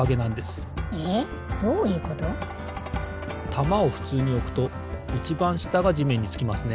たまをふつうにおくといちばんしたがじめんにつきますね。